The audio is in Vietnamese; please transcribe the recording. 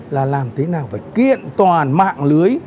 là làm thế nào phải kiện toàn mạng lưới